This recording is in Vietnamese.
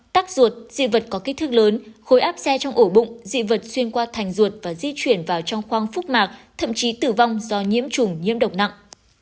tắc ruột dị vật có kích thước lớn khối áp xe trong ổ bụng dị vật xuyên qua thành ruột và di chuyển vào trong khoang phúc mạc thậm chí tử vong do nhiễm chủng nhiễm độc nặng